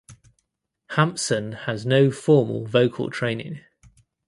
Hampson has no formal vocal training.